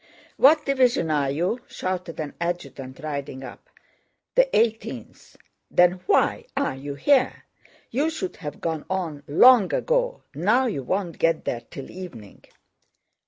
"What division are you?" shouted an adjutant, riding up. "The Eighteenth." "Then why are you here? You should have gone on long ago, now you won't get there till evening."